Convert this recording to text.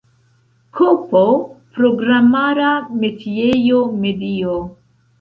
Kp programara metiejo, medio.